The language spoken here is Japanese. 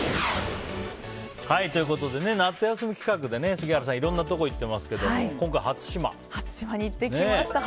ということで、夏休み企画で杉原さん、いろんなところに行ってますけども初島に行ってきました。